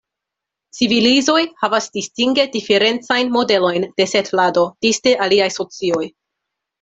Civilizoj havas distinge diferencajn modelojn de setlado disde aliaj socioj.